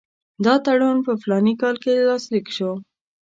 دا تړون په فلاني کال کې لاسلیک شو.